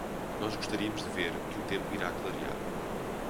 Nós gostaríamos de ver que o tempo irá clarear.